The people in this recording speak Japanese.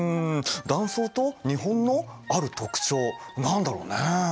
断層と日本のある特徴何だろうね？